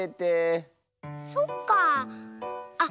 そっかあ。